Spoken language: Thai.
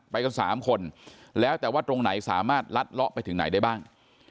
ไปกัน๓คนแล้วแต่ว่าตรงไหนสามารถลัดเลาะไปถึงไหนได้บ้าง